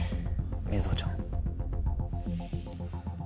瑞穂ちゃん。